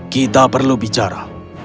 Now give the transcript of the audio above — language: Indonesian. kita perlu bicara